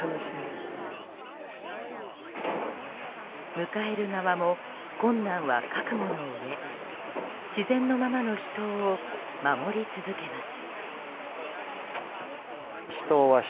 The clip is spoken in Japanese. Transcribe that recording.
迎える側も、困難は覚悟のうえ自然のままの秘湯を守り続けます。